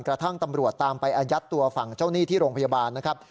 กระทั่งตำรวจตามไปอายัดตัวฝั่งเจ้าหนี้ที่โรงพยาบาลนะครับ